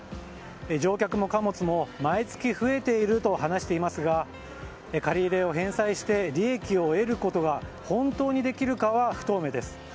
乗客も貨物も、毎月増えていると話していますが借り入れを返済して利益を得ることは本当にできるかは不透明です。